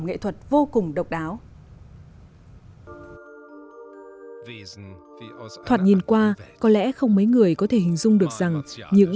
nghệ thuật vô cùng độc đáo thoạt nhìn qua có lẽ không mấy người có thể hình dung được rằng những